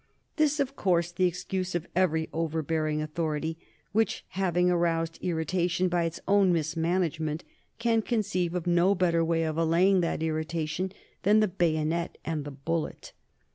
This is, of course, the excuse of every overbearing authority, which, having aroused irritation by its own mismanagement, can conceive of no better way of allaying that irritation than the bayonet and the bullet.